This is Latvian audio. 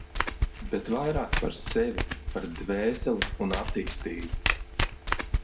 Bet vairāk par sevi, par dvēseli un attīstību.